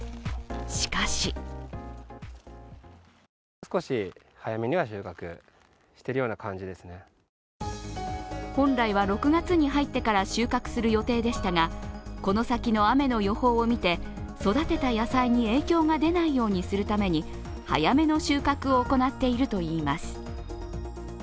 しかし本来は６月に入ってから収穫する予定でしたがこの先の雨の予報を見て、育てた野菜に影響が出ないようにするために早めの収穫を行っているといいます。